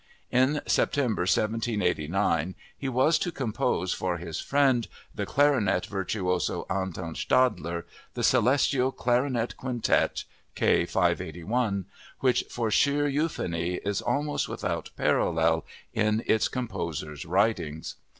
In September 1789, he was to compose for his friend, the clarinet virtuoso Anton Stadler, the celestial Clarinet Quintet (K. 581), which for sheer euphony is almost without parallel in its composer's writings.